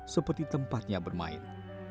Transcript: seperti tempatnya bermain